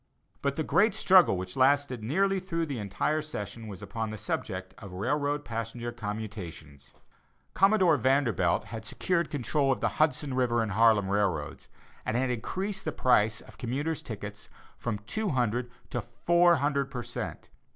But the great struggle which lasted nearly through the entire session was upon the subject of railroad passenger commutations. Commodore Vanderbilt had secured control of the Hudson River and Harlem railroads, and had increased the price of commuters' tickets from two hundred to four hundred per cent.